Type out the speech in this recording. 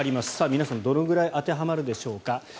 皆さん、どのぐらい当てはまるでしょうか。